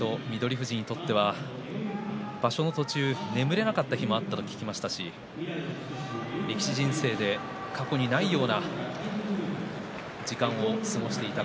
富士にとっては場所の途中、眠れなかった日もあったと聞きましたから力士人生で過去にないような時間も過ごしていた